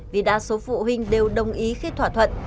vì đa số phụ huynh đều đồng ý khi thỏa thuận